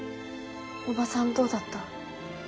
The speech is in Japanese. おばさんどうだった？